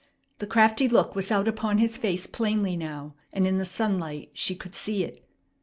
The crafty look was out upon his face plainly now, and in the sunlight she could see it.